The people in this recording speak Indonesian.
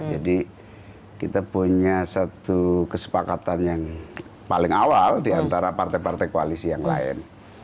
jadi kita punya satu kesepakatan yang paling awal diantara partai partai koalisi yang lain